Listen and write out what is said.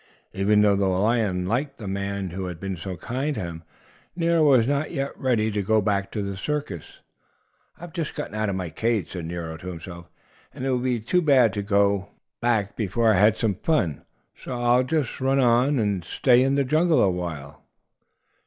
But though the lion liked the man who had been so kind to him, Nero was not yet ready to go back to the circus. "I have just gotten out of my cage," said Nero to himself; "and it would be too bad to go back before I have had some fun. So I'll just run on and stay in the jungle awhile."